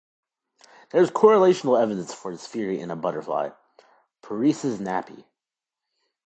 There is correlational evidence for this theory in a butterfly, "Pieris napi".